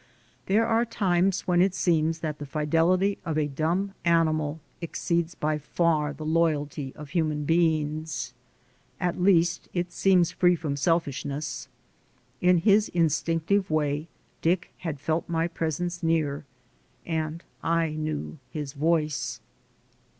There are times when it seems that the fidelity of a dumb animal exceeds by far the loyalty of human beings. At least it seems free from selfishness. In his instinctive way, Dick had felt my presence near, and I knew his voice.